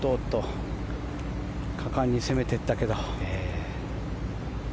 果敢に攻めていったけど。